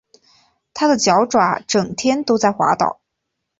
他的脚爪整天都在滑倒